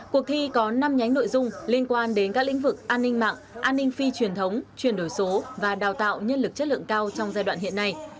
cuộc thi có năm nhánh nội dung liên quan đến các lĩnh vực an ninh mạng an ninh phi truyền thống chuyển đổi số và đào tạo nhân lực chất lượng cao trong giai đoạn hiện nay